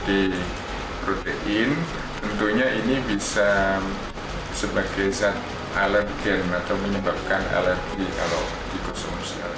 jadi protein tentunya ini bisa sebagai zat alamin atau menyebabkan alami kalau dikonsumsi